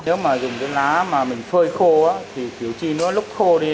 nếu mà dùng cái lá mà mình phơi khô thì kiểu chi nó lúc khô đi